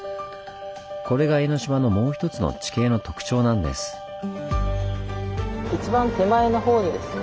これが江の島のもう一つの地形の特徴なんです。